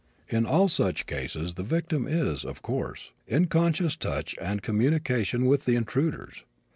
In all such cases the victim is, of course, in conscious touch and communication with the intruders.